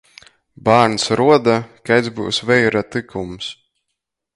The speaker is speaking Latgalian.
Bārns ruoda, kaids byus veira tykums.